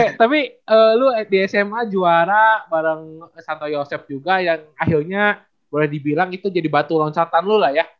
oke tapi lu di sma juara bareng santo yosep juga yang akhirnya boleh dibilang itu jadi batu loncatan lu lah ya